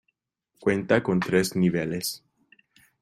Cuenta con tres niveles.